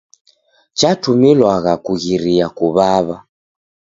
Chatumilwagha kughiria kuw'aw'a.